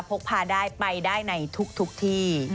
พกพาได้ไปได้ในทุกที่